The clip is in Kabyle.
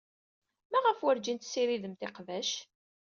Maɣef werjin tessiridemt iqbac?